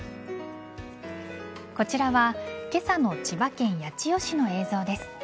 こちらは今朝の千葉県八千代市の映像です。